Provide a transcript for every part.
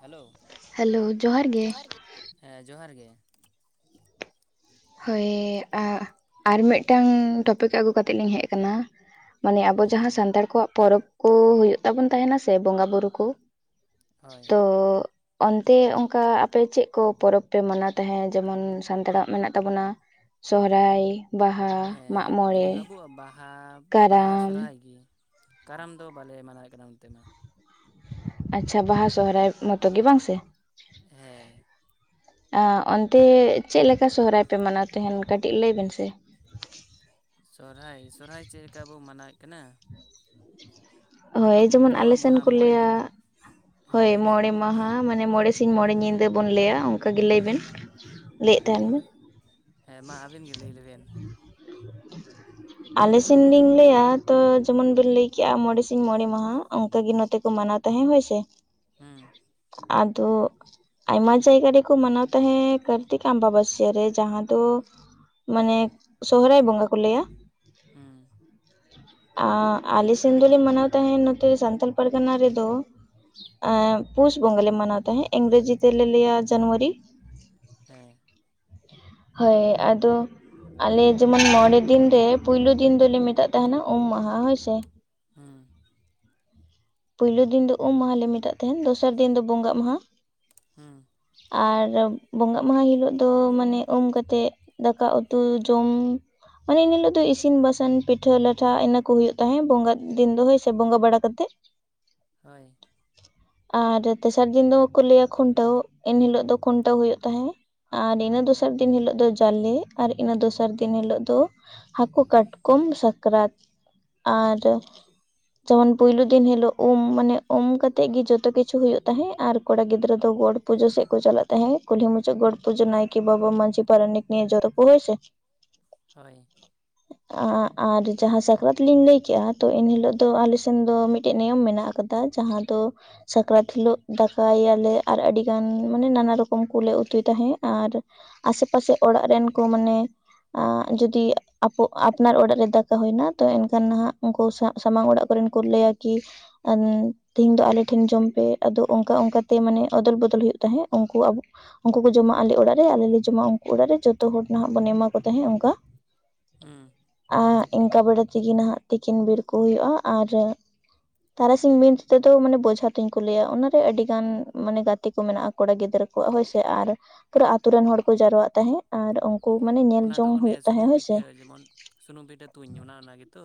Hello? Hello ᱡᱚᱦᱟᱨ ᱜᱮ, ᱦᱮᱸ ᱡᱚᱦᱟᱨ ᱜᱮ᱾ ᱦᱳᱭ ᱟᱨ ᱢᱤᱫᱴᱟᱝ ᱴᱚᱯᱤᱠ ᱟᱹᱜᱩ ᱠᱟᱛᱮᱫ ᱞᱤᱧ ᱦᱮᱡ ᱟᱠᱟᱱᱟ᱾ ᱢᱟᱱᱮ ᱟᱵᱚ ᱦᱩᱸ ᱡᱟᱦᱟᱸ ᱥᱟᱱᱛᱟᱲ ᱠᱚᱣᱟᱜ ᱯᱚᱨᱚᱵᱽ ᱠᱚ ᱦᱩᱭᱩᱜ ᱛᱟᱵᱚᱱ ᱛᱟᱦᱮᱱᱟ ᱥᱮ ᱵᱚᱸᱜᱟ ᱵᱩᱨᱩ ᱠᱩ᱾ ᱦᱳᱭ ᱛᱚᱼᱼ ᱚᱱᱛᱮ ᱚᱱᱠᱟ ᱟᱯᱮ ᱪᱮᱫ ᱠᱚ ᱯᱚᱨᱚᱵᱽ ᱯᱮ ᱢᱟᱱᱟᱣ ᱛᱟᱦᱮᱸᱫ ᱡᱮᱢᱚᱱ ᱥᱟᱱᱛᱟᱲᱟᱜ ᱢᱮᱱᱟᱜᱼᱼ ᱛᱟᱵᱚᱱᱟ ᱥᱚᱦᱨᱟᱭ, ᱵᱟᱦᱟ ᱢᱟᱜ ᱦᱮᱸ ᱡᱮᱢᱚᱱ ᱢᱚᱬᱮ ᱟᱵᱚᱣᱟᱜ ᱵᱟᱦᱟ ᱵᱟᱦᱟ ᱠᱟᱨᱟᱢ ᱥᱚᱦᱚᱨᱟᱭ ᱜᱤ ᱠᱟᱨᱟᱢ ᱫᱚ ᱵᱟᱞᱮ ᱢᱟᱱᱟᱣᱮᱫ ᱠᱟᱱᱟ ᱚᱱᱛᱮ ᱢᱟ᱾ ᱟᱪᱪᱷᱟ ᱵᱟᱦᱟ ᱥᱚᱦᱚᱨᱟᱭ ᱢᱚᱛᱚ ᱜᱮ ᱵᱟᱝ ᱥᱮ? ᱦᱮᱸ ᱾ ᱚᱱᱛᱮ ᱪᱮᱫ ᱞᱮᱠᱟ ᱥᱚᱦᱨᱟᱭ ᱯᱮ ᱢᱟᱱᱟᱣ ᱛᱟᱦᱮᱱ ᱠᱟᱹᱴᱤᱡ ᱞᱟᱹᱭ ᱵᱮᱱ ᱥᱮ? ᱥᱚᱦᱚᱨᱟᱭ ᱥᱚᱦᱚᱨᱟᱭ ᱪᱮᱫ ᱪᱮᱠᱟ ᱵᱚ ᱢᱟᱱᱟᱣᱮᱫ ᱠᱟᱱᱟ, ᱦᱳᱭ ᱟᱵᱚ ᱡᱮᱢᱚᱱ ᱢᱟ ᱟᱞᱮ ᱥᱮᱱ ᱢᱚᱬᱟ ᱠᱚ ᱢᱚᱬᱮ ᱞᱟᱹᱭᱟ ᱫᱤᱱ ᱦᱮᱸ ᱦᱳᱭ ᱞᱟᱹᱭ ᱵᱤᱱ ᱢᱚᱬᱮ ᱢᱟᱦᱟ ᱢᱟᱱᱮ ᱢᱚᱬᱮ ᱥᱤᱧ ᱢᱚᱬᱮ ᱧᱤᱫᱟᱹ ᱵᱚᱱ ᱞᱟᱹᱭᱟ ᱚᱱᱠᱟ ᱜᱮ ᱞᱟᱹᱭ ᱵᱮᱱ ᱦᱮᱸ ᱞᱟᱹᱭᱮᱫ ᱛᱟᱦᱮᱱ ᱵᱮ ᱦᱮᱸ ᱢᱟ ᱟᱵᱤᱱ ᱜᱮ ᱞᱟᱹᱭ ᱞᱮ ᱵᱮᱱ᱾ ᱟᱞᱮ ᱥᱮᱱ ᱞᱤᱧ ᱞᱟᱹᱭᱟ ᱛᱚ ᱡᱮᱢᱚᱱ ᱵᱮᱱ ᱞᱟᱹᱭᱠᱮᱜᱼᱟ ᱢᱚᱬᱮ ᱥᱤᱧ ᱢᱚᱬᱮ ᱢᱟᱦᱟ ᱚᱱᱠᱟ ᱜᱮ ᱱᱚᱛᱮ ᱠᱚ ᱢᱟᱱᱟᱣ ᱛᱟᱦᱮᱸ ᱦᱳᱭ ᱥᱮ, ᱦᱩᱸ ᱟᱫᱚ ᱟᱭᱢᱟ ᱡᱟᱭᱜᱟ ᱨᱮᱠᱚ ᱢᱟᱱᱟᱣ ᱛᱟᱸᱦᱮᱜ ᱠᱟᱨᱛᱤᱠ ᱟᱢᱵᱟ ᱵᱟᱥᱤᱭᱟᱹ ᱡᱟᱦᱟᱸ ᱫᱚ ᱢᱟᱱᱮ ᱥᱚᱦᱚᱨᱟᱭ ᱵᱚᱸᱜᱟ ᱠᱚ ᱞᱟᱹᱭᱟ᱾ ᱦᱩᱸ ᱾ ᱟᱞᱮ ᱥᱮᱱ ᱫᱞᱮ ᱢᱟᱱᱟᱣ ᱛᱟᱦᱮᱸᱫ ᱱᱚᱛᱮ ᱥᱟᱱᱛᱟᱞ ᱯᱟᱨᱜᱟᱱᱟ ᱨᱮᱫᱚ ᱯᱩᱥ ᱵᱚᱸᱜᱟ ᱞᱮ ᱢᱟᱱᱟᱣ ᱛᱟᱦᱮᱸᱫ ᱤᱝᱨᱮᱡᱤ ᱛᱮᱞᱮ ᱞᱟᱹᱭᱟ ᱡᱟᱱᱩᱣᱟᱨᱤ, ᱦᱮᱸ ᱾ ᱦᱳᱭ ᱟᱫᱚ ᱟᱞᱮ ᱡᱮᱢᱚᱱ ᱢᱚᱬᱮ ᱫᱤᱱ ᱨᱮ ᱯᱩᱭᱞᱩ ᱫᱤᱱ ᱫᱚᱞᱮ ᱢᱮᱛᱟᱜ ᱛᱟᱦᱮᱱᱟ ᱩᱢ ᱢᱟᱦᱟ ᱦᱳᱭ ᱥᱮ, ᱦᱩᱸ ᱾ ᱯᱩᱭᱞᱩ ᱫᱤᱱ ᱫᱚ ᱩᱢ ᱢᱟᱦᱟ ᱞᱮ ᱢᱮᱛᱟᱜ ᱛᱟᱦᱮᱱ ᱫᱚᱥᱟᱨ ᱫᱤᱱ ᱫᱚ ᱵᱚᱸᱜᱟᱜ ᱢᱟᱦᱟ᱾ ᱦᱩᱸ᱾ ᱟᱨ ᱵᱚᱸᱜᱟᱜ ᱢᱟᱦᱟ ᱦᱤᱞᱳᱜ ᱫᱚ ᱢᱟᱱᱮ ᱩᱢ ᱠᱟᱛᱮᱫ ᱫᱟᱠᱟ ᱩᱛᱩ ᱡᱚᱢ ᱢᱟᱱᱮ ᱮᱱᱦᱤᱞᱳᱜ ᱫᱚ ᱤᱥᱤᱱ ᱵᱟᱥᱟᱝ ᱯᱤᱴᱷᱟᱹ ᱞᱟᱴᱷᱟ ᱤᱱᱟᱹ ᱠᱚ ᱦᱩᱭᱩᱜ ᱛᱟᱦᱮᱸᱫ ᱵᱚᱸᱜᱟ ᱫᱤᱱ ᱫᱚ ᱦᱳᱭ ᱥᱮ ᱵᱚᱸᱜᱟ ᱵᱟᱲᱟ ᱠᱟᱛᱮᱫ, ᱦᱳᱭ ᱾ ᱟᱨ ᱛᱮᱥᱟᱨ ᱫᱤᱱ ᱫᱚᱠᱚ ᱞᱟᱹᱭᱟ ᱠᱷᱩᱱᱴᱟᱹᱣ ᱮᱱᱦᱤᱞᱳᱜ ᱫᱚ ᱠᱷᱩᱱᱴᱟᱹᱣ ᱦᱩᱭᱩᱜ ᱛᱟᱦᱮᱸᱫ, ᱟᱨ ᱤᱱᱟᱹ ᱫᱚᱥᱟᱨ ᱫᱤᱱ ᱦᱤᱞᱳᱜ ᱫᱚ ᱡᱟᱞᱮ ᱟᱨ ᱤᱱᱟᱹ ᱫᱚᱥᱟᱨ ᱫᱤᱱ ᱦᱤᱞᱳᱜ ᱫᱚ ᱦᱟᱹᱠᱩ ᱠᱟᱴᱠᱚᱢ ᱥᱟᱠᱨᱟᱛ ᱟᱨ ᱡᱮᱢᱚᱱ ᱯᱩᱭᱞᱩ ᱫᱤᱱ ᱦᱤᱞᱳᱜ ᱩᱢ ᱢᱟᱱᱮ ᱩᱢ ᱠᱟᱛᱮᱜ ᱜᱮ ᱡᱚᱛᱚ ᱠᱤᱪᱷᱩ ᱦᱩᱭᱩᱜ ᱛᱟᱦᱮᱸᱫ ᱟᱨ ᱠᱚᱲᱟ ᱜᱤᱫᱽᱨᱟᱹ ᱫᱚ ᱜᱚᱰ ᱯᱩᱡᱟᱹ ᱥᱮᱫ ᱠᱚ ᱪᱟᱞᱟᱜ ᱛᱟᱦᱮᱸᱫ ᱠᱩᱞᱦᱤ ᱢᱩᱪᱟᱹ ᱜᱚᱰ ᱯᱩᱡᱟᱹ ᱱᱟᱭᱠᱮ ᱵᱟᱵᱟ ᱢᱟᱺᱡᱷᱤ ᱯᱟᱨᱟᱱᱤᱠ ᱱᱤᱭᱮ ᱡᱷᱚᱛᱚ ᱠᱩ ᱥᱮ, ᱦᱳᱭ ᱾ [unintelligible] ᱟᱨ ᱡᱟᱦᱟᱸ ᱥᱟᱠᱨᱟᱛ ᱞᱤᱧ ᱞᱟᱹᱭᱠᱮᱜᱼᱟ ᱛᱚ ᱮᱱᱦᱤᱞᱳᱜ ᱫᱚ ᱟᱞᱮ ᱥᱮᱱ ᱫᱚ ᱢᱤᱫᱴᱮᱡ ᱱᱤᱭᱚᱢ ᱢᱮᱱᱟᱜ ᱟᱠᱟᱫᱟ᱾ ᱡᱟᱦᱟᱸ ᱫᱚ ᱥᱟᱠᱨᱟᱛ ᱦᱤᱞᱳᱜ ᱫᱟᱠᱟᱭ ᱟᱞᱮ ᱟᱨ ᱟᱹᱰᱤᱜᱟᱱ ᱢᱟᱱᱮ ᱱᱟᱱᱟ ᱨᱚᱠᱚᱢ ᱠᱚᱞᱮ ᱩᱛᱩᱭ ᱛᱟᱦᱮᱸᱫ, ᱟᱨ ᱟᱥᱮ ᱯᱟᱥᱮ ᱚᱲᱟᱜ ᱨᱮᱱ ᱠᱚ ᱢᱟᱱᱮ ᱡᱩᱫᱤ ᱟᱯᱱᱟᱨ ᱚᱲᱟᱜ ᱨᱮ ᱫᱟᱠᱟ ᱦᱩᱭᱱᱟ ᱛᱚ ᱮᱱᱠᱷᱟᱱ ᱱᱟᱦᱟᱜ ᱩᱱᱠᱩ ᱥᱟᱶ ᱥᱟᱢᱟᱝ ᱚᱲᱟᱜ ᱠᱚᱨᱮᱱ ᱠᱚ ᱞᱟᱹᱭᱟ ᱠᱤ ᱛᱤᱦᱤᱧ ᱫᱚ ᱟᱞᱮ ᱴᱷᱮᱱ ᱡᱚᱢ ᱯᱮ ᱟᱫᱚ ᱚᱱᱠᱟ ᱚᱱᱠᱟᱛᱮ ᱢᱟᱱᱮ ᱚᱫᱚᱞ ᱵᱚᱫᱚᱞ ᱦᱩᱭᱩᱜ ᱛᱟᱦᱮᱸᱫ ᱩᱱᱠᱩ ᱟᱵᱚ ᱩᱱᱠᱩ ᱠᱚ ᱡᱚᱢᱟ ᱟᱞᱮ ᱚᱲᱟᱜ ᱨᱮ ᱟᱞᱮ ᱞᱮ ᱡᱚᱢᱟ ᱩᱱᱠᱩ ᱚᱲᱟᱜ ᱨᱮ ᱡᱚᱛᱚ ᱦᱚᱲ ᱱᱟᱦᱟᱜ ᱵᱚᱱ ᱮᱢᱟ ᱠᱚ ᱛᱟᱦᱮᱸᱫ ᱚᱱᱠᱟ᱾ ᱦᱩᱸ ᱤᱱᱠᱟᱹ ᱵᱮᱲᱟ ᱛᱮᱜᱮ ᱱᱟᱦᱟᱜ ᱛᱤᱠᱤᱱ ᱵᱮᱲ ᱠᱚ ᱦᱩᱭᱩᱜᱼᱟ ᱟᱨ ᱛᱟᱨᱟᱥᱤᱧ ᱢᱮᱱ ᱛᱮᱫᱚ ᱢᱟᱱᱮ ᱵᱚᱡᱷᱟ ᱛᱩᱧ ᱠᱚ ᱞᱟᱹᱭᱟ ᱚᱱᱟᱨᱮ ᱟᱹᱰᱤ ᱜᱟᱱ ᱢᱟᱱᱮ ᱜᱟᱛᱮ ᱠᱚ ᱢᱮᱱᱟᱜ ᱠᱚᱲᱟ ᱜᱤᱫᱽᱨᱟᱹ ᱠᱚᱣᱟᱜ ᱦᱳᱭ ᱥᱮ, ᱟᱨ ᱯᱩᱨᱟᱹ ᱟᱛᱩ ᱨᱮᱱ ᱦᱚᱲ ᱠᱚ ᱡᱟᱨᱣᱟᱜ ᱛᱟᱦᱮᱸᱜ ᱟᱨ ᱩᱱᱠᱩ ᱢᱟᱱᱮ ᱧᱮᱞ ᱚᱱᱟ ᱫᱚ ᱡᱚᱝ ᱚᱱᱮ ᱦᱩᱭᱩᱜ ᱛᱟᱦᱮᱸᱫ ᱥᱩᱱᱩᱢ ᱦᱳᱭ ᱥᱮ ᱯᱤᱴᱷᱟᱹ ᱡᱮᱢᱚᱱ ᱥᱩᱱᱩᱢ ᱯᱤᱴᱷᱟᱹ ᱛᱩᱧ ᱚᱱᱟ ᱚᱱᱟᱜᱮ ᱛᱚ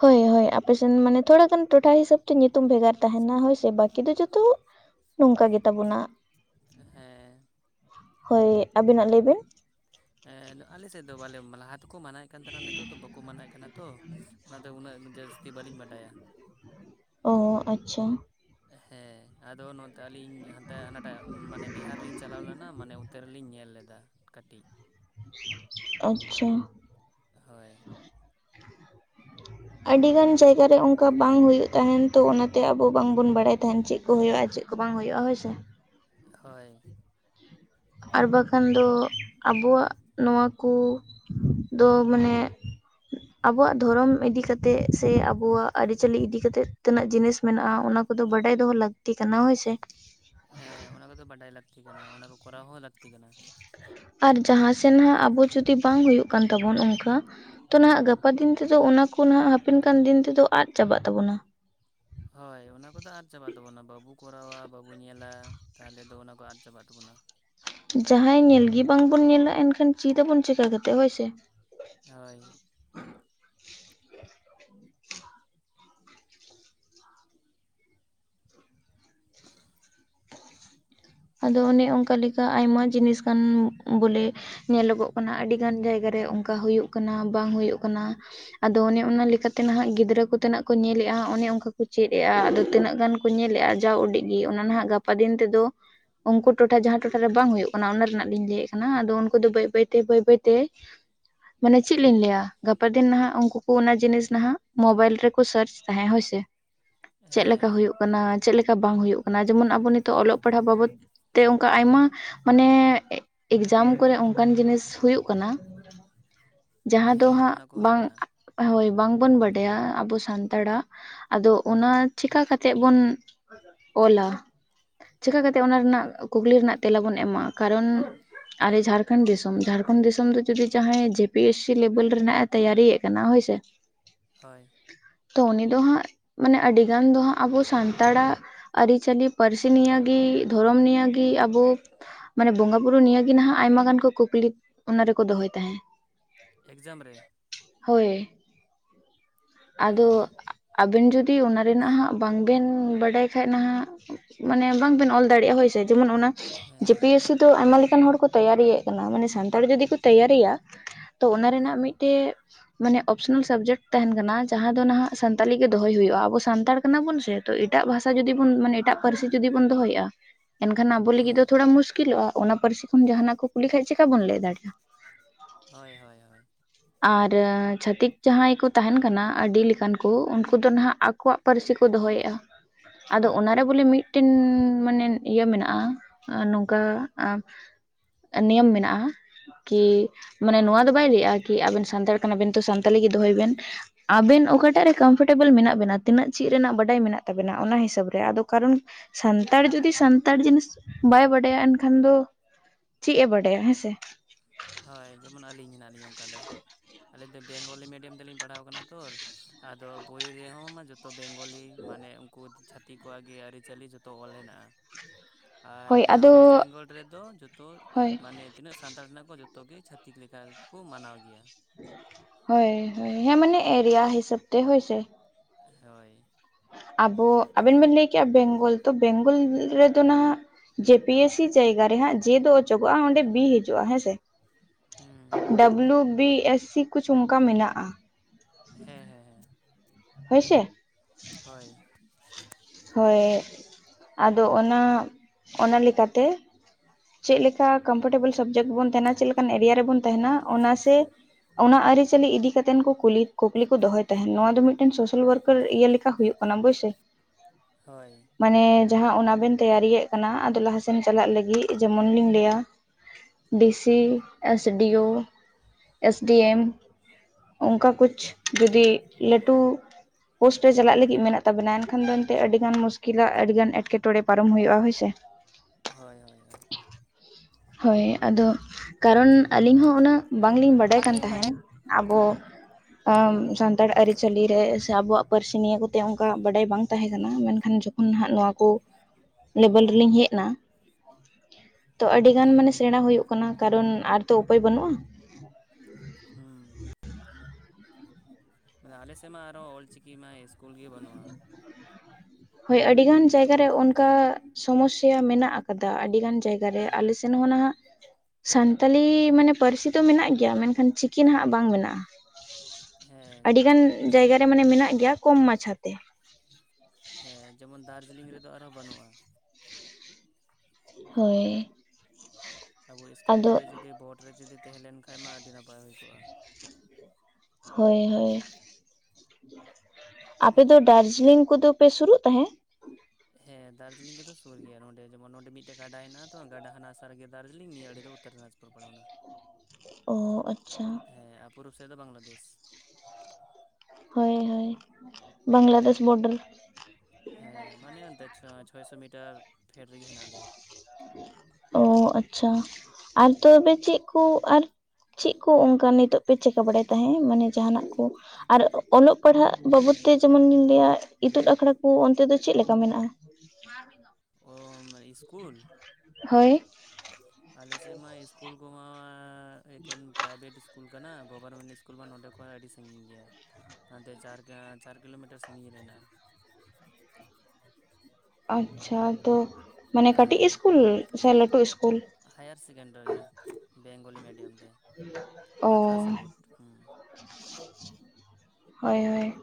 ᱦᱳᱭ ᱦᱳᱭ ᱟᱯᱮᱥᱮᱱ ᱢᱟᱱᱮ ᱛᱷᱚᱲᱟ ᱜᱟᱱ ᱴᱚᱴᱷᱟ ᱦᱤᱥᱟᱹᱵ ᱛᱮ ᱧᱩᱛᱩᱢ ᱵᱷᱮᱜᱟᱨ, ᱛᱟᱦᱮᱱᱟ ᱦᱳᱭ ᱥᱮ ᱵᱟᱹᱠᱤ ᱫᱚ ᱡᱚᱛᱚᱼᱼ ᱱᱚᱝᱠᱟ ᱜᱮ ᱛᱟᱵᱚᱱᱟ ᱦᱮᱸᱼᱼ ᱦᱳᱭ ᱟᱵᱤᱱᱟᱜ ᱞᱟᱹᱭ ᱵᱤᱱ? ᱟᱞᱮ ᱥᱮᱫ ᱫᱚ ᱵᱟᱞᱮ ᱞᱟᱦᱟ ᱛᱮᱠᱚ ᱢᱟᱱᱟᱣᱮᱫ ᱛᱟᱦᱮᱱᱟ ᱱᱤᱛᱚᱜ ᱫᱚ ᱵᱟᱠᱚ ᱢᱟᱱᱟᱣᱮᱫ ᱠᱟᱱ ᱛᱚ ᱚᱱᱟᱛᱮ ᱩᱱᱟᱹᱜ ᱡᱟᱹᱥᱛᱤ ᱵᱟᱹᱞᱤᱧ ᱵᱟᱰᱟᱭᱟ᱾ ᱚᱻᱟᱪᱪᱷᱟ ᱾ ᱦᱮᱸ ᱟᱫᱚ ᱱᱚᱛᱮ ᱟᱹᱞᱤᱧ ᱦᱟᱱᱛᱮ ᱟᱱᱟ, ᱢᱟᱱᱮ ᱵᱤᱦᱟᱨ ᱞᱤᱧ ᱪᱟᱞᱟᱣ ᱞᱮᱱᱟ ᱢᱟᱱᱮ ᱚᱱᱛᱮ ᱨᱮᱞᱤᱧ ᱧᱮᱞ ᱞᱮᱫᱟ ᱠᱟᱹᱴᱤᱡ᱾ ᱟᱪᱪᱷᱟ ᱦᱳᱭ ᱟᱹᱰᱤ ᱜᱟᱱ ᱡᱟᱭᱜᱟ ᱨᱮ ᱚᱱᱠᱟ ᱵᱟᱝ ᱦᱩᱭᱩᱜ ᱛᱟᱦᱮᱱ ᱛᱚ ᱚᱱᱟᱛᱮ ᱟᱵᱚ ᱵᱟᱝᱵᱚᱱ ᱵᱟᱲᱟᱭ ᱛᱟᱦᱮᱱ ᱪᱮᱫ ᱠᱚ ᱦᱩᱭᱩᱜᱼᱟ ᱪᱮᱫᱼᱼ ᱠᱚ ᱵᱟᱝ ᱦᱩᱭᱩᱜᱼᱟ ᱦᱳᱭ ᱥᱮ᱾ ᱦᱳᱭ᱾ ᱟᱨ ᱵᱟᱠᱷᱟᱱ ᱫᱚ ᱟᱵᱚᱣᱟᱜ ᱱᱚᱣᱟ ᱠᱚᱼᱼ ᱫᱚ ᱢᱟᱱᱮᱼᱼ ᱟᱵᱚᱣᱟᱜ ᱫᱷᱚᱨᱚᱢ ᱤᱫᱤ ᱠᱟᱛᱮᱜ ᱥᱮ ᱟᱵᱩᱣᱟᱜ ᱟᱹᱨᱤᱪᱟᱹᱞᱤ ᱤᱫᱤ ᱠᱟᱛᱮᱜ ᱛᱤᱱᱟᱹᱜ ᱡᱤᱱᱤᱥ ᱢᱮᱱᱟᱜᱼᱟ ᱚᱱᱟᱼᱼ ᱫᱚ ᱵᱟᱰᱟᱭ ᱫᱚᱦᱚ ᱞᱟᱹᱠᱛᱤ ᱠᱟᱱᱟ ᱦᱳᱭ ᱥᱮ ᱦᱮᱸ ᱚᱱᱟ ᱠᱚᱫᱚ ᱵᱟᱰᱟᱭ ᱞᱟᱹᱠᱛᱤ ᱠᱟᱱᱟ, ᱚᱱᱟ ᱠᱚ ᱠᱚᱨᱟᱣ ᱦᱚᱸ ᱞᱟᱹᱠᱛᱤ ᱠᱟᱱᱟ᱾ ᱟᱨ ᱡᱟᱦᱟᱸ ᱥᱮᱱᱦᱟᱼᱜ ᱟᱵᱚ ᱡᱩᱫᱤ ᱵᱟᱝ ᱦᱩᱭᱩᱜ ᱠᱟᱱ ᱛᱟᱵᱚᱱ, ᱚᱱᱠᱟ ᱛᱚ ᱱᱟᱦᱟᱜ ᱜᱟᱯᱟ ᱫᱤᱱᱼᱼ ᱛᱮᱫᱚ ᱚᱱᱟ ᱠᱚ ᱱᱟᱜ ᱦᱟᱯᱤᱱ ᱠᱟᱱ ᱫᱤᱱ ᱛᱮᱫᱚ ᱟᱫ ᱪᱟᱵᱟᱜ ᱛᱟᱵᱚᱱᱟ᱾ ᱦᱳᱭ ᱚᱱᱟ ᱠᱚᱫᱚ ᱟᱫ ᱪᱟᱵᱟᱜ ᱛᱟᱵᱚᱱᱟ ᱵᱟᱵᱚ ᱠᱚᱨᱟᱣᱟ, ᱵᱟᱵᱚ ᱧᱮᱞᱟ, ᱛᱟᱦᱚᱞᱮ ᱫᱚ ᱚᱱᱟ ᱠᱚ ᱟᱫ ᱪᱟᱵᱟᱜ ᱛᱟᱵᱚᱱᱟ᱾ ᱡᱟᱦᱟᱸᱭ ᱧᱮᱞᱜᱮ ᱵᱟᱝ ᱵᱚᱱ ᱧᱮᱞᱟ, ᱮᱱᱠᱷᱟᱱ ᱪᱮᱫ ᱟᱵᱚᱱ ᱪᱮᱠᱟᱛ ᱦᱳᱭᱥᱮ? ᱦᱳᱭᱼᱼ ᱟᱫᱚ ᱚᱱᱮ ᱚᱱᱠᱟ ᱞᱮᱠᱟ ᱟᱭᱢᱟ ᱡᱤᱱᱤᱥ ᱠᱟᱱ ᱵᱚᱞᱮ ᱧᱮᱞᱚᱜᱚᱜ ᱠᱟᱱᱟ ᱟᱹᱰᱤᱜᱟᱱ ᱡᱟᱭᱜᱟᱨᱮ ᱚᱱᱠᱟ ᱦᱩᱭᱩᱜ ᱠᱟᱱᱟ, ᱵᱟᱝ ᱦᱩᱭᱩᱜ ᱠᱟᱱᱟ᱾ ᱟᱫᱚ ᱚᱱᱮ ᱚᱱᱟ ᱞᱮᱠᱟᱛᱮ ᱱᱟᱦᱟᱜ ᱜᱤᱫᱽᱨᱟᱹ ᱠᱚᱛᱮᱱᱟᱜ ᱠᱚ ᱧᱮᱞᱮᱫᱼᱟ, ᱚᱱᱮ ᱚᱱᱠᱟ ᱠᱚ ᱪᱮᱫ ᱮᱼᱟ ᱟᱫᱚ ᱛᱤᱱᱟᱹᱜ ᱜᱟᱱᱼᱼ ᱠᱚ ᱧᱮᱞᱼᱟ, ᱡᱟᱣ ᱩᱰᱤᱡ ᱜᱮ ᱚᱱᱟ ᱱᱟᱦᱟᱜ ᱜᱟᱯᱟ ᱫᱤᱱ ᱛᱮᱫᱚᱼᱼ ᱩᱱᱠᱩ ᱴᱚᱴᱷᱟ ᱡᱟᱦᱟᱸ ᱴᱚᱴᱷᱟᱨᱮ ᱵᱟᱝ ᱦᱩᱭᱩᱜ ᱠᱟᱱᱟ, ᱚᱱᱟ ᱨᱮᱱᱟᱜ ᱞᱤᱧ ᱞᱟᱹᱭᱮᱫ ᱠᱟᱱᱟ ᱟᱫᱚ ᱩᱱᱠᱩ ᱫᱚ ᱵᱟᱹᱭ ᱵᱟᱹᱭ ᱛᱮ ᱵᱟᱹᱭ ᱵᱟᱹᱭ ᱛᱮ ᱢᱟᱱᱮ ᱪᱮᱫ ᱞᱤᱧ ᱞᱟᱹᱭᱟ, ᱜᱟᱯᱟ ᱫᱤᱱ ᱱᱟᱦᱟᱜ ᱩᱱᱠᱩ ᱠᱚ ᱚᱱᱟ ᱡᱤᱱᱤᱥ ᱱᱟᱦᱟᱜ ᱢᱳᱵᱟᱭᱤᱞ ᱨᱮᱠᱚ ᱥᱟᱨᱪᱼᱼ ᱛᱟᱦᱮᱸ ᱦᱩᱭ ᱥᱮ ᱪᱮᱫᱞᱮᱠᱟ ᱦᱮᱸ ᱦᱩᱭᱩᱜ ᱠᱟᱱᱟ, ᱪᱮᱫᱞᱮᱠᱟ ᱵᱟᱝ ᱦᱩᱭᱩᱜ ᱠᱟᱱᱟ, ᱡᱮᱢᱚᱱ ᱟᱵᱚ ᱱᱤᱛᱚᱜ ᱚᱞᱚᱜ ᱯᱟᱲᱦᱟᱜ ᱵᱟᱵᱚᱫᱼᱼ ᱛᱮ ᱚᱱᱠᱟ ᱟᱭᱢᱟ ᱢᱟᱱᱮᱻ ᱮᱠᱡᱟᱢ ᱠᱚᱨᱮ ᱚᱱᱠᱟᱱ ᱡᱤᱱᱤᱥ ᱦᱩᱭᱩᱜ ᱠᱟᱱᱟ᱾ ᱡᱟᱦᱟᱸ ᱫᱚ ᱦᱮᱸ ᱦᱟᱸᱜ ᱚᱱᱟ ᱠᱚ ᱦᱩᱭᱩᱜ ᱵᱟᱝᱼᱼ ᱠᱟᱱᱟ ᱦᱳᱭ ᱵᱟᱝᱵᱚᱱ ᱵᱟᱰᱟᱭᱟ ᱟᱵᱚ ᱥᱟᱱᱛᱟᱲᱟᱜ᱾ ᱟᱫᱚ ᱚᱱᱟ ᱪᱤᱠᱟ ᱠᱟᱛᱮᱜ ᱵᱚᱱ ᱚᱞᱟ? ᱪᱤᱠᱟ ᱠᱟᱛᱮᱜ ᱚᱱᱟ ᱨᱮᱱᱟᱜ ᱠᱩᱠᱞᱤ ᱨᱮᱱᱟᱜ ᱛᱮᱞᱟ ᱵᱚᱱ ᱮᱢᱟ ᱠᱟᱨᱚᱱᱼᱼ ᱟᱞᱮ ᱡᱷᱟᱲᱠᱷᱚᱸᱰ ᱫᱤᱥᱚᱢ ᱡᱷᱟᱲᱠᱷᱚᱸᱰ ᱫᱤᱥᱚᱢ ᱫᱚ ᱡᱩᱫᱤ ᱡᱟᱦᱟᱸᱭ ᱡᱮ ᱯᱤ ᱮᱥᱥᱤ ᱞᱮᱵᱮᱞ ᱨᱮᱱᱟᱜ ᱢᱮᱱᱟᱜᱼᱼ ᱛᱮᱭᱟᱨᱤᱭᱮᱫ ᱠᱟᱱᱟ ᱦᱳᱭ ᱥᱮ᱾ ᱦᱳᱭ ᱛᱚ ᱩᱱᱤ ᱫᱚ ᱦᱟᱸᱜ ᱢᱟᱱᱮ ᱟᱹᱰᱤ ᱜᱟᱱ ᱫᱚ ᱦᱟᱸᱜ ᱟᱵᱚ ᱥᱟᱱᱛᱟᱲᱟᱜᱼᱼ ᱟᱹᱨᱤᱪᱟᱹᱞᱤ ᱯᱟᱹᱨᱥᱤ ᱱᱤᱭᱟᱹᱜᱮ ᱫᱷᱚᱨᱚᱢ ᱱᱤᱭᱟᱹᱜᱮ ᱟᱵᱚᱼᱼ ᱢᱟᱱᱮ ᱵᱚᱸᱜᱟ ᱵᱩᱨᱩ ᱱᱤᱭᱟᱹᱜᱮ ᱱᱟᱦᱟᱜ ᱟᱭᱢᱟ ᱜᱟᱱ ᱠᱚ ᱠᱩᱠᱞᱤ ᱚᱱᱟ ᱨᱮᱠᱚ ᱫᱚᱦᱚᱭ ᱛᱟᱦᱮᱸᱫ᱾ ᱮᱠᱡᱟᱢ ᱨᱮ᱾ ᱦᱳᱭ ᱟᱫᱚ ᱦᱳᱭ ᱟᱵᱮᱱ ᱡᱩᱫᱤ ᱚᱱᱟ ᱨᱮᱱᱟᱜ ᱦᱟᱸᱜ ᱵᱟᱝᱵᱮᱱ ᱵᱟᱰᱟᱭ ᱠᱷᱟᱡ ᱱᱟᱦᱟᱸᱜ ᱢᱟᱱᱮ ᱵᱟᱝᱵᱮᱱ ᱚᱞ ᱫᱟᱲᱮᱭᱟᱜᱼᱟ ᱦᱳᱭᱥᱮ ᱡᱮᱢᱚᱱ ᱚᱱᱟ ᱡᱮ ᱦᱮᱸ ᱯᱤᱥ ᱛᱚ ᱟᱭᱢᱟ ᱞᱮᱠᱟᱱ ᱦᱚᱲ ᱠᱚ ᱛᱮᱭᱟᱨᱤᱭᱮᱫ ᱠᱟᱱᱟ, ᱢᱟᱱᱮ ᱥᱟᱱᱛᱟᱲ ᱡᱩᱫᱤ ᱠᱚ ᱛᱮᱭᱟᱨᱤᱭᱟ, ᱛᱚ ᱚᱱᱟ ᱨᱮᱱᱟᱜ ᱢᱤᱫᱴᱮᱡ ᱢᱟᱱᱮ ᱚᱯᱥᱚᱱᱟᱞ ᱥᱟᱵᱡᱮᱠᱴ ᱛᱟᱦᱮᱸᱱ ᱠᱟᱱᱟ ᱡᱟᱦᱟᱸ ᱫᱚ ᱱᱟᱦᱟᱜ ᱥᱟᱱᱛᱟᱞᱤ ᱜᱮ ᱫᱚᱦᱚᱭ ᱦᱩᱭᱩᱜᱼᱟ ᱟᱵᱚ ᱥᱟᱱᱛᱟᱲ ᱠᱟᱱᱟ ᱵᱚᱱ ᱥᱮ, ᱛᱚ ᱮᱴᱟᱜ ᱵᱷᱟᱥᱟ ᱡᱩᱫᱤ ᱵᱚᱱ ᱢᱟᱱᱮ ᱮᱴᱟᱜ ᱯᱟᱹᱨᱥᱤ ᱡᱩᱫᱤ ᱵᱚᱱ ᱫᱚᱦᱚᱭᱮᱜᱼᱟ, ᱮᱱᱠᱷᱟᱱ ᱟᱵᱚ ᱞᱟᱹᱜᱤᱫ ᱫᱚ ᱦᱩᱸ ᱛᱷᱚᱲᱟ ᱢᱩᱥᱠᱤᱞᱚᱜᱼᱟ ᱚᱱᱟ ᱯᱟᱹᱨᱥᱤ ᱠᱷᱚᱱ ᱡᱟᱸᱟᱱᱟᱜ ᱠᱚ ᱠᱩᱞᱤ ᱠᱷᱟᱱᱡ ᱪᱤᱠᱠᱟ ᱵᱚᱱ ᱞᱟᱹᱭ ᱫᱟᱲᱮᱭᱟᱜᱼᱟ ᱾ ᱦᱳᱭ ᱦᱳᱭ ᱦᱳᱭ ᱾ ᱟᱨ ᱪᱷᱟᱛᱤᱠ ᱡᱟᱦᱟᱸᱭ ᱠᱚ ᱛᱟᱦᱮᱸᱱ ᱠᱟᱱᱟ ᱟᱹᱰᱤ ᱞᱮᱠᱟᱱ ᱠᱚ ᱩᱱᱠᱩ ᱫᱚ ᱱᱟᱦᱟᱸᱜ ᱟᱠᱚᱣᱟᱜ ᱯᱟᱹᱨᱥᱤ ᱠᱚ ᱫᱚᱦᱚᱭᱮᱜᱼᱟ, ᱟᱫᱚ ᱚᱱᱟᱨᱮ ᱵᱚᱞᱮ ᱢᱤᱫᱴᱮᱱ ᱢᱟᱱᱮ ᱤᱭᱟᱹ ᱢᱮᱱᱟᱜᱼᱟ, ᱟ ᱱᱚᱝᱠᱟ ᱟ ᱱᱤᱭᱚᱢ ᱢᱮᱱᱟᱜᱼᱟ ᱠᱤ ᱢᱟᱱᱮ ᱱᱚᱣᱟ ᱫᱚ ᱵᱟᱭ ᱞᱟᱹᱭᱮᱜᱼᱟ ᱠᱤ ᱟᱵᱮᱱ ᱥᱟᱱᱛᱟᱲ ᱠᱟᱱᱟᱵᱮᱱ ᱛᱚ ᱥᱟᱱᱛᱟᱲᱤ ᱜᱮ ᱫᱚᱦᱚᱭ ᱵᱮᱱ ᱾ ᱟᱵᱮᱱ ᱚᱠᱟᱴᱟᱜ ᱨᱮ ᱠᱚᱢᱯᱷᱴᱮᱵᱮᱞ ᱢᱮᱱᱟᱜ ᱵᱮᱱᱟ ᱛᱤᱱᱟᱹᱜ ᱪᱮᱫ ᱨᱮᱱᱟᱜ ᱵᱟᱰᱟᱭ ᱢᱮᱱᱟᱜ ᱛᱟᱵᱮᱱᱟ ᱚᱱᱟ ᱦᱤᱥᱟᱹᱵ ᱨᱮ, ᱟᱫᱚ ᱠᱟᱨᱚᱱ ᱥᱟᱱᱛᱟᱲ ᱡᱩᱫᱤ ᱥᱟᱱᱛᱟᱲ ᱡᱤᱱᱤᱥ ᱵᱟᱭ ᱵᱟᱰᱟᱭᱟ ᱮᱱᱠᱷᱟᱱ ᱫᱚ ᱪᱤᱜ ᱮ ᱵᱟᱰᱟᱭᱟ ᱦᱮᱸᱥᱮ? ᱦᱳᱭ ᱡᱮᱢᱚᱱ ᱟᱹᱞᱤᱧ ᱦᱮᱱᱟᱜ ᱞᱤᱧ ᱚᱝᱠᱟ ᱫᱚ, ᱟᱞᱤᱧ ᱫᱚ ᱵᱮᱝᱜᱚᱞᱤ ᱢᱤᱰᱤᱭᱟᱢ ᱛᱮᱞᱤᱧ ᱯᱟᱲᱦᱟᱣ ᱠᱟᱱᱟ ᱛᱚᱨ, ᱟᱫᱚ ᱵᱳᱭ ᱨᱮᱦᱚᱸ ᱢᱟ ᱡᱚᱛᱚ ᱵᱮᱝᱜᱚᱞᱤ ᱢᱟᱱᱮ ᱠᱩᱫ ᱪᱷᱟᱹᱛᱤ ᱠᱚᱣᱟᱜ ᱜᱮ ᱟᱹᱨᱤᱪᱟᱹᱞᱤ ᱡᱷᱚᱛᱚ ᱚᱞ ᱦᱮᱸᱱᱟᱜᱼᱟ ᱾ ᱟᱨ ᱦᱳᱭ ᱚᱱᱟ ᱟᱫᱚ ᱚᱳᱭᱮᱥᱴ ᱵᱮᱝᱜᱚᱞ ᱨᱮᱫᱚ ᱡᱚᱛᱚ ᱦᱳᱭ ᱢᱟᱱᱮ ᱛᱤᱱᱟᱹᱜ ᱥᱟᱱᱛᱟᱲ ᱨᱮᱱᱟᱜ ᱠᱚ ᱡᱚ ᱛᱚ ᱜᱮ ᱪᱷᱟᱹᱛᱤᱠ ᱞᱮᱠᱟ ᱜᱮ ᱠᱚ ᱢᱟᱱᱟᱣ ᱜᱮᱭᱟ ᱾ ᱦᱳᱭ ᱦᱳᱭ, ᱦᱮᱸ ᱢᱟᱱᱮ ᱮᱨᱤᱭᱟ ᱦᱤᱥᱟᱹᱵ ᱛᱮ ᱦᱳᱭ ᱥᱮ ᱾ ᱦᱳᱭ ᱾ ᱟᱵᱚ ᱟᱵᱮᱱ ᱵᱮᱱ ᱞᱟᱹᱭ ᱠᱮᱫᱮᱜᱼᱟ ᱵᱮᱝᱜᱚᱞ ᱛᱚ ᱵᱮᱝᱜᱚᱞ ᱨᱮᱫᱚ ᱱᱟᱦᱟᱸᱜ ᱡᱮ ᱯᱤ ᱮᱥ ᱥᱤ ᱡᱟᱭᱜᱟ ᱨᱮ ᱦᱟᱸᱜ ᱡᱮ ᱫᱚ ᱚᱪᱚᱜᱚᱜᱼᱟ ᱚᱸᱰᱮ ᱵᱤ ᱦᱤᱡᱩᱜᱼᱟ ᱦᱮᱸ ᱥᱮ? ᱦᱩᱸ ᱰᱟᱵᱞᱩ ᱵᱤ ᱮᱥ ᱥᱤ ᱠᱩᱪᱷᱩ ᱚᱝᱠᱟ ᱢᱮᱱᱟᱜᱼᱟ ᱾ ᱦᱮᱸ ᱾ ᱦᱳᱭ ᱥᱮ? ᱦᱳᱭ ᱾ ᱦᱳᱭ ᱟᱫᱚ ᱚᱱᱟ ᱚᱱᱟ ᱞᱮᱠᱟᱛᱮ, ᱪᱮᱫ ᱞᱮᱠᱟ ᱠᱚᱢᱯᱷᱳᱴᱮᱵᱚᱞ ᱥᱟᱵᱡᱮᱠᱴ ᱵᱚᱱ ᱛᱟᱦᱮᱸᱱᱟ ᱪᱮᱫ ᱞᱮᱠᱟᱱ ᱮᱨᱤᱭᱟ ᱨᱮᱵᱚᱱ ᱛᱟᱦᱮᱸᱱᱟ ᱚᱱᱟ ᱥᱮ ᱚᱱᱟ ᱟᱹᱨᱤᱪᱟᱹᱞᱤ ᱤᱫᱤ ᱠᱟᱛᱮᱱ ᱠᱚ ᱠᱩᱞᱤ ᱠᱩᱠᱞᱤ ᱠᱚ ᱫᱚᱦᱚᱭ ᱛᱟᱦᱮᱸᱱ, ᱱᱚᱣᱟ ᱫᱚ ᱢᱤᱫᱴᱮᱱ ᱥᱳᱥᱟᱞ ᱣᱟᱨᱠᱟᱨ ᱤᱭᱟᱹ ᱞᱮᱠᱟ ᱦᱩᱭᱩᱜ ᱠᱟᱱᱟᱢ [unintelligible] ᱦᱳᱭ᱾ ᱢᱟᱱᱮ ᱡᱟᱦᱟᱸ ᱚᱱᱟ ᱵᱮᱱ ᱛᱮᱭᱟᱨᱤᱭᱮᱜ ᱠᱟᱱᱟ ᱟᱫᱚ ᱞᱟᱦᱟᱥᱱ ᱪᱟᱞᱟᱜ ᱞᱟᱹᱜᱤᱫ ᱡᱮᱢᱚᱱ ᱞᱤᱧ ᱞᱟᱹᱭᱟ D C S D O S D M ᱚᱱᱠᱟ ᱠᱩᱪ ᱡᱩᱫᱤ ᱞᱟᱹᱴᱩ ᱯᱳᱥᱴ ᱨᱮ ᱪᱟᱞᱟᱜ ᱞᱟᱹᱜᱤᱫ ᱢᱮᱱᱟᱜ ᱛᱟᱵᱚᱱᱟ ᱮᱱᱷᱟᱱ ᱫᱚ ᱮᱱᱛᱮ ᱟᱹᱰᱤᱜᱟᱱ ᱢᱩᱥᱠᱤᱞᱟᱜ ᱟᱹᱰᱤᱜᱟᱱ ᱮᱴᱠᱮᱴᱚᱬᱮ ᱯᱟᱨᱚᱢ ᱦᱩᱭᱩᱜᱼᱟ ᱦᱳᱭ ᱥᱮ ᱾ ᱦᱳᱭ ᱦᱳᱭ ᱦᱳᱭ ᱾ ᱦᱳᱭ ᱟᱫᱚ ᱠᱟᱨᱚᱱ ᱟᱹᱞᱤᱧ ᱦᱚᱸ ᱩᱱᱟᱹᱜ ᱵᱟᱝᱞᱤᱧ ᱵᱟᱰᱟᱭ ᱠᱟᱱ ᱵᱟᱝᱞᱤᱧ ᱛᱟᱦᱮᱸᱱ᱾ ᱵᱟᱰᱟᱭ ᱟᱵᱚ ᱥᱟᱱᱛᱟᱲ ᱟᱹᱨᱤᱪᱟᱹᱞᱤ ᱨᱮ ᱥᱮ ᱟᱵᱩᱣᱟᱜ ᱯᱟᱹᱨᱥᱤ ᱱᱤᱭᱟᱹ ᱠᱚ ᱛᱮ ᱚᱝᱠᱟ ᱵᱟᱰᱟᱭ ᱵᱟᱝ ᱛᱟᱦᱮᱸ ᱠᱟᱱᱟ ᱢᱮᱱᱠᱷᱟᱱ ᱡᱚ ᱠᱷᱚᱱ ᱱᱚᱣᱟ ᱠᱚ ᱞᱮᱵᱮᱞ ᱨᱮᱞᱤᱧ ᱦᱮᱡ ᱱᱟ, ᱛᱚ ᱟᱹᱰᱤᱜᱟᱱ ᱦᱩᱸ ᱢᱟᱱᱮ ᱥᱮᱬᱟ ᱦᱩᱭᱩᱜᱭ ᱠᱟᱱᱟ, ᱠᱟᱨᱚᱱ ᱟᱨ ᱛᱚ ᱩᱯᱟᱹᱭ ᱵᱟᱹᱱᱩᱜᱼᱟ ᱾ ᱦᱩᱸ᱾ ᱢᱟᱱᱮ ᱟᱞᱮᱥᱮᱫ ᱢᱟ ᱟᱨᱚ ᱚᱞ ᱪᱤᱠᱤ ᱢᱟ ᱤᱥᱠᱩᱞ ᱜᱮ ᱵᱟᱹᱱᱩᱜᱼᱟ᱾ ᱦᱳᱭ ᱟᱹᱰᱤ ᱜᱟᱱ ᱢᱟᱱᱮ ᱡᱟᱭᱜᱟ ᱨᱮ ᱟᱵᱚᱣᱟᱜ ᱦᱚᱨᱚᱯ ᱚᱱᱠᱟ ᱛᱮ ᱥᱚᱢᱚᱥᱭᱟ ᱢᱮᱱᱟᱜ ᱟᱠᱟᱫᱟ ᱟᱹᱰᱤ ᱜᱟᱱ ᱡᱟᱭᱜᱟ ᱨᱮ ᱦᱩᱸ ᱟᱞᱮᱥᱱ ᱱᱚ ᱱᱟᱦᱟᱜ ᱥᱟᱱᱛᱟᱞᱤ ᱢᱟᱱᱮ ᱯᱟᱹᱨᱥᱤ ᱫᱚ ᱢᱮᱱᱟᱜ ᱜᱮᱭᱟ ᱢᱮᱱᱠᱷᱟᱱ ᱪᱤᱠᱤ ᱱᱟᱦᱟᱸᱜ ᱵᱟᱝ ᱢᱮᱱᱟᱜᱼᱟ᱾ ᱦᱮᱸ ᱟᱹᱰᱤ ᱜᱟᱱ ᱡᱮᱢ ᱡᱟᱭᱜᱟ ᱨᱮ ᱢᱟᱱᱮ ᱢᱮᱱᱟᱜ ᱜᱮᱭᱟ ᱠᱚᱢ ᱢᱟᱪᱷᱟᱛᱮ᱾ ᱦᱮᱸ ᱡᱮᱢᱚᱱ ᱫᱟᱨᱡᱤᱞᱤᱝ ᱨᱮᱫᱚ ᱟᱨᱦᱚᱸ ᱵᱟᱹᱱᱩᱜᱼᱟ᱾ ᱦᱳᱭ᱾ ᱟᱵᱚ ᱥᱠᱩᱞ ᱟᱫᱚ ᱠᱚᱨᱮ ᱡᱩᱫᱤ ᱵᱳᱨᱰ ᱨᱮ ᱡᱩᱫᱤ ᱛᱟᱦᱮᱸ ᱞᱮᱱ ᱠᱷᱟᱱᱡ ᱢᱟ ᱟᱹᱰᱤᱰᱤ ᱱᱟᱯᱟᱭ ᱦᱩᱭ ᱠᱚᱜᱼᱟ᱾ ᱦᱳᱭ ᱦᱳᱭ᱾ ᱟᱯᱮ ᱫᱚ ᱰᱟᱨᱡᱤᱞᱤᱝ ᱠᱚᱫᱚ ᱯᱮ ᱥᱩᱨᱩᱜ ᱛᱟᱦᱮᱸᱫ? ᱦᱮᱸ ᱫᱟᱨᱡᱤᱞᱤᱝ ᱠᱚᱫᱚ ᱥᱩᱨ ᱜᱮᱭᱟ ᱱᱚᱸᱰᱮ ᱡᱮᱢᱚᱱ ᱱᱚᱰᱮ ᱢᱤᱫᱴᱮᱡ ᱜᱟᱰᱟ ᱦᱮᱱᱟᱜ ᱛᱚ ᱜᱟᱰᱟ ᱦᱟᱱᱟᱥᱟᱨ ᱨᱮᱜᱮ ᱫᱟᱨᱡᱤᱞᱤᱝ ᱱᱤᱭᱟᱹ ᱟᱲᱮ ᱫᱚ ᱤᱛᱛᱚᱨ ᱫᱤᱱᱟᱡᱯᱩᱨ ᱯᱟᱲᱟᱣᱱᱟ᱾ [inaudible] ᱟᱪᱪᱷᱟ ᱦᱮᱸ ᱟᱨ ᱯᱩᱨᱩᱵ ᱥᱮᱫ ᱫᱚ ᱵᱟᱝᱞᱟᱫᱮᱥ᱾ ᱦᱳᱭ ᱦᱳᱭ᱾ ᱵᱟᱝᱞᱟᱫᱮᱥ ᱵᱳᱰᱟᱨ᱾ ᱦᱮᱸ ᱢᱟᱱᱮ ᱚᱱᱛᱮ ᱪᱷᱚ ᱪᱷᱚᱭ ᱥᱚ ᱢᱤᱴᱟᱨ ᱯᱷᱮᱰ ᱨᱮᱜᱮ ᱦᱮᱱᱟᱜ ᱞᱮᱭᱟ᱾ ᱚ ᱟᱪᱪᱷᱟ ᱟᱨ ᱛᱚᱵᱮ ᱪᱮᱫ ᱠᱚ ᱟᱨ ᱪᱮᱜ ᱠᱚ ᱚᱝᱠᱟ ᱱᱤᱛᱚᱜ ᱯᱮ ᱪᱮᱠᱟ ᱵᱟᱲᱟᱭ ᱛᱟᱦᱮᱸᱜ ᱢᱟᱱᱮ ᱡᱟᱦᱟᱱᱟᱜ ᱠᱚ? ᱟᱨ ᱚᱜᱼᱚᱞᱚᱜ ᱯᱟᱲᱦᱟᱜ ᱵᱟᱵᱚᱫ ᱛᱮ ᱡᱮᱢᱚᱱ ᱱᱤᱧ ᱞᱟᱹᱭᱟ ᱤᱛᱩᱫ ᱟᱠᱷᱲᱟ ᱠᱚ ᱚᱱᱛᱮ ᱫᱚ ᱪᱮᱫ ᱞᱮᱠᱟ ᱢᱮᱱᱟᱜᱼᱟ? [inaudible] ᱚ ᱢᱟᱱᱮ ᱤᱥᱠᱩᱞ? ᱦᱳᱭ᱾ ᱟᱞᱮ ᱥᱮᱫ ᱢᱟ ᱤᱥᱠᱩᱞ ᱠᱚᱢᱟ ᱮᱠᱮᱱ ᱯᱨᱟᱭᱵᱷᱮᱴ ᱥᱠᱩ ᱠᱩᱞ ᱠᱟᱱᱟ ᱜᱚᱵᱷᱚᱨᱢᱮᱱᱴ ᱤᱥᱠᱩᱞ ᱢᱟ ᱱᱚᱸᱰᱮ ᱠᱷᱚᱡ ᱦᱚᱸ ᱟᱹᱰᱤ ᱥᱟᱺᱜᱤᱧ ᱜᱮᱭᱟ᱾ ᱦᱟᱱᱛᱮ ᱪᱟᱨ ᱜᱟ ᱪᱟᱨ ᱠᱤᱞᱳᱢᱤᱴᱟᱨ ᱥᱟᱺᱜᱤᱧ ᱨᱮ ᱦᱮᱱᱟᱜᱼᱟ᱾ ᱟᱪᱪᱷᱟ ᱛᱚ ᱢᱟᱱᱮ ᱠᱟᱹᱴᱤᱜ ᱦᱮᱸ ᱤᱥᱠᱩᱞ ᱥᱮ ᱞᱟᱹᱴᱩ school? Higher secondary Bengali medium ᱛᱮ ᱚ ᱢᱟᱫᱽᱨᱟᱥᱟ ᱵᱳᱨᱰ ᱦᱮᱸ᱾ ᱦᱳᱭ᱾